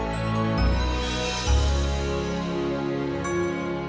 harus masuk balik